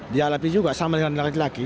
dialapi juga sama dengan laki laki